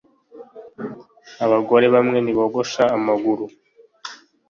Abagore bamwe ntibogosha amaguru